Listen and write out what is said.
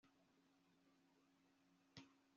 anaririmba mu rurimi rw'abasekuruza